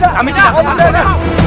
kami tidak akan mengkhianati pajajara